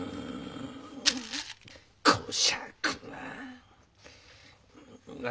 こしゃくな！